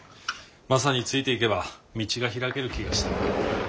マサについていけば道が開ける気がして。